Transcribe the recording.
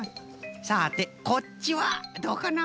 さてこっちはどうかな？